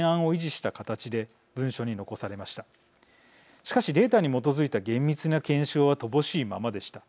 しかしデータに基づいた厳密な検証は乏しいままでした。